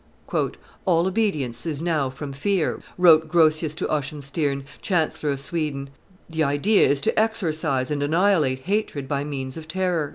"All obedience is now from fear," wrote Grotius to Oxenstiern, chancellor of Sweden; "the idea is to exorcise and annihilate hatred by means of terror."